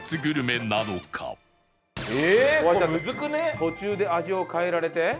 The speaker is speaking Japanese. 途中で味を変えられて。